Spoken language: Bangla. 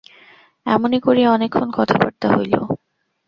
এমনি করিয়া অনেকক্ষণ কথাবার্তা হইল।